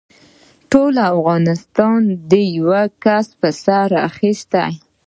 ټول افغانستان دې يوه کس په سر اخيستی.